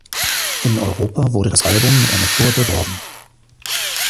In Europa wurde das Album mit einer Tour beworben.